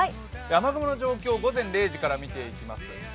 雨雲の状況を午前０時から見ていきます。